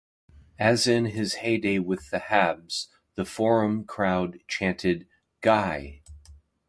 As in his heydey with the Habs, the Forum crowd chanted Guy!